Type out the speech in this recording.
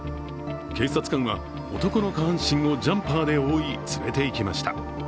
警察官は男の下半身をジャンパーで覆い連れていきました。